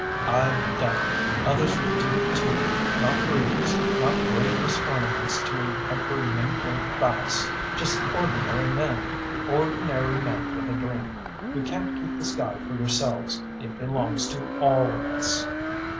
"I've done it. Others will do it, too. Not breeders not brainless ornaments to a hyper nymphoid phallus! Just ordinary men. Ordinary men with a dream. You can't keep the sky for yourselves. It belongs to all of us."